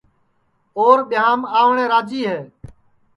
اور ٻیاںم آوٹؔے راجی ہے